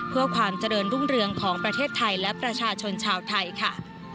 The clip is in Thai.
เพื่อความเจริญรุ่งเรืองของประเทศไทยและประชาชนชาวไทยค่ะ